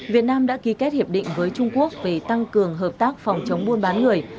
việt nam đã ký kết hiệp định với trung quốc về tăng cường hợp tác phòng chống buôn bán người